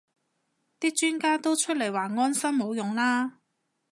啲專家都出嚟話安心冇用啦